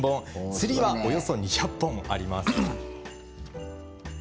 ツリーはおよそ２００本あります。